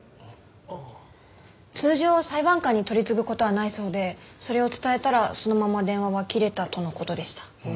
通常裁判官に取り次ぐ事はないそうでそれを伝えたらそのまま電話は切れたとの事でした。